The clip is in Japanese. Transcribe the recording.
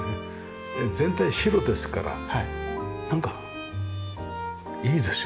全体白ですからなんかいいですよね。